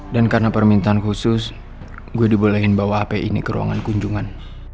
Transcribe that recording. dan karena permintaan khusus gue dibolehin bawa hape ini ke ruangan kunjungan